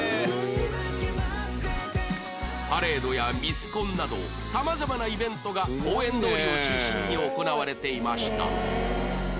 パレードやミスコンなど様々なイベントが公園通りを中心に行われていました